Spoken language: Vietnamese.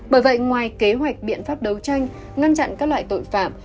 bởi vậy ngoài kế hoạch biện pháp đấu tranh ngăn chặn các loại tội phạm